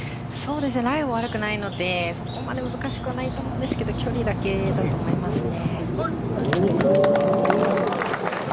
ライは悪くないのでそこまで難しくはないと思うんですけど距離だけだと思いますね。